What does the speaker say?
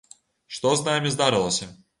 Што з намі здарылася?